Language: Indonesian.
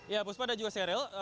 ya puspa ada juga serius